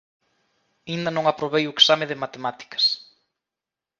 Aínda non aprobei o exame de matemáticas